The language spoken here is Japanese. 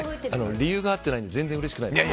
理由が合ってないので全然うれしくないです。